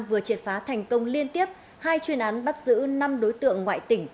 vừa triệt phá thành công liên tiếp hai chuyên án bắt giữ năm đối tượng ngoại tỉnh